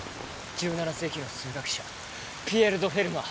１７世紀の数学者ピエール・ド・フェルマー